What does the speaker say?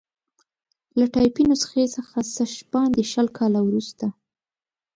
له ټایپي نسخې څخه څه باندې شل کاله وروسته.